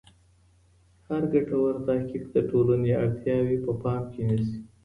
هر ګټور تحقیق د ټولني اړتیاوې په پام کي نیسي.